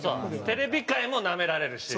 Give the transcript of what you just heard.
テレビ界もなめられるし。